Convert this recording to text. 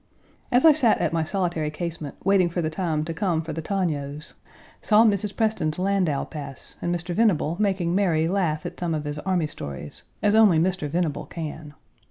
As I sat at my solitary casemate, waiting for the time to come for the Tognos, saw Mrs. Preston's landau pass, and Mr. Venable making Mary laugh at some of his army stories, as only Mr. Venable can.